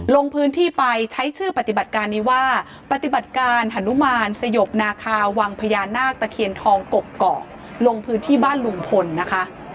ลงพื้นที่ไปใช้ชื่อปฏิบัติการนี้ว่าปฏิบัติการฮานุมานสยบนาคาวังพญานาคตะเคียนทองกกอกลงพื้นที่บ้านลุงพลนะคะ